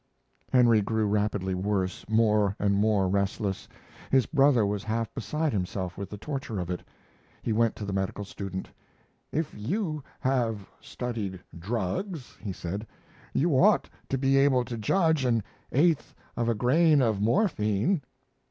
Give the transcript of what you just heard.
Henry grew rapidly worse more and more restless. His brother was half beside himself with the torture of it. He went to the medical student. "If you have studied drugs," he said, "you ought to be able to judge an eighth of a grain of morphine."